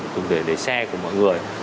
cùng với đề xe của mọi người